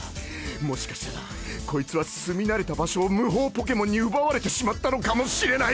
もしかしたらコイツはすみ慣れた場所を無法ポケモンに奪われてしまったのかもしれない。